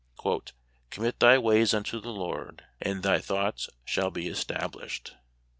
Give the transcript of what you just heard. " Com mit thy ways unto the Lord, and thy thoughts shall be established."